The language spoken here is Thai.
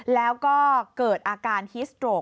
แล้วก็เกิดอาการฮิสโตรก